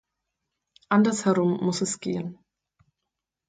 Anders herum muss es gehen.